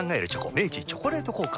明治「チョコレート効果」